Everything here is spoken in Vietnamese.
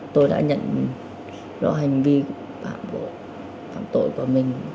tôi đã nhận rõ hành vi phạm tội của mình